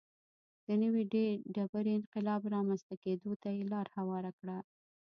د نوې ډبرې انقلاب رامنځته کېدو ته یې لار هواره کړه.